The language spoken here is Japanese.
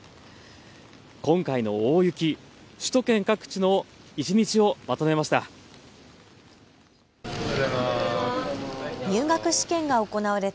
今回の大雪、首都圏各地の一日をまとめました。